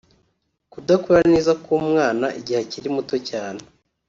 Kudakura neza k’umwana igihe akiri muto cyane